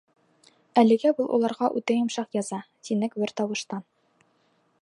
Әлегә был уларға үтә йомшаҡ яза. — тинек бер тауыштан.